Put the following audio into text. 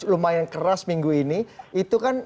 lumayan keras minggu ini itu kan